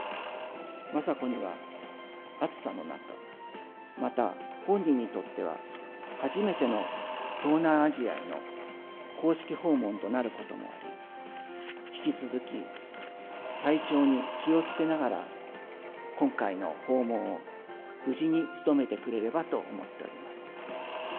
雅子には暑さの中、また本人にとっては初めての東南アジアへの公式訪問となることもあり、引き続き体調に気をつけながら、今回の訪問を無事に務めてくれればと思っております。